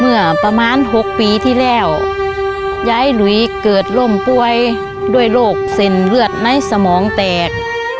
เมื่อประมาณ๖ปีที่แล้วยายหลุยเกิดล่มป่วยด้วยโรคเส้นเลือดในสมองแตก